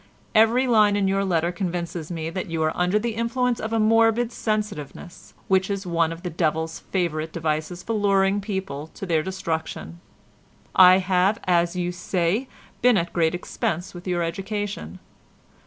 Every line in your letter convinces me that you are under the influence of a morbid sensitiveness which is one of the devil's favourite devices for luring people to their destruction. I have, as you say, been at great expense with your education.